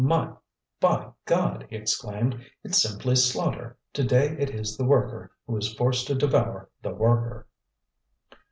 "By God!" he exclaimed, "it's simply slaughter! Today it is the worker who is forced to devour the worker!"